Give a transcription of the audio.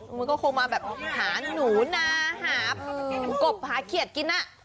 พลุกลมูฮาหนูนะหาปปกบหาเขียดกินนะ